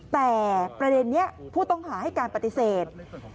แต่ประเด็นนี้ผู้ต้องหาให้การปฏิเสธ